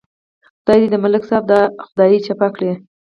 خدای دې د ملک صاحب دا خدایي چپه کړي.